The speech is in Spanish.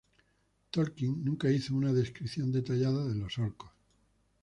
Tolkien nunca hizo una descripción detallada de los orcos.